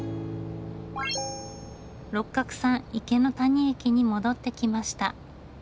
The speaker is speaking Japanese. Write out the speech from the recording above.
六角さん池谷駅に戻ってきました。